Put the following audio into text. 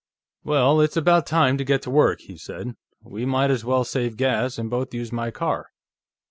"Well, it's about time to get to work," he said. "We might as well save gas and both use my car.